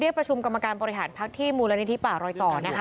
เรียกประชุมกรรมการบริหารผลักษณ์ที่มูลันนิธีป่ารอยต่อ